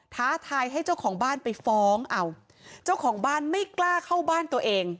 ท้าทายให้เจ้าของบ้านไปฟ้องเอาเจ้าของบ้านไม่กล้าเข้าบ้านตัวเอง